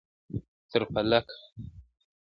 تر فلکه